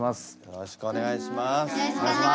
よろしくお願いします。